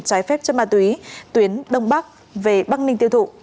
trái phép chất ma túy tuyến đông bắc về bắc ninh tiêu thụ